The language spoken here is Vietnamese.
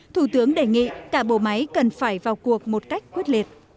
thủ tướng đề nghị cả bộ máy cần phải vào cuộc một cách quyết liệt